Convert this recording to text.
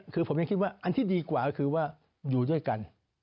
คือผมยังคิดว่าอันที่ดีกว่าก็คือว่าอยู่ด้วยกัน